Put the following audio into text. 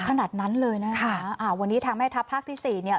ขนาดนั้นเลยนะคะอ่าวันนี้ทางแม่ทัพภาคที่สี่เนี่ย